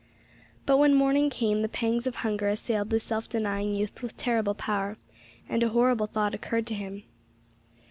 But when morning came, the pangs of hunger assailed the self denying youth with terrible power, and a horrible thought occurred to him.